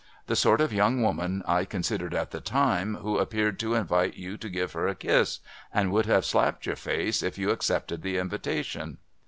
The sort of young woman, I considered at the time, who appeared to invite you to give her a kiss, and who would have slapped your face if you accepted the invitation.